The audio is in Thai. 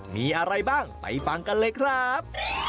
มีอะไรบ้างไปฟังกันเลยครับ